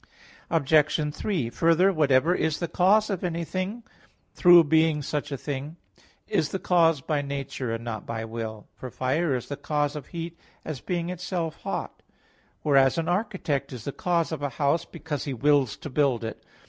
Obj. 3: Further, Whatever is the cause of anything, through being such a thing, is the cause by nature, and not by will. For fire is the cause of heat, as being itself hot; whereas an architect is the cause of a house, because he wills to build it.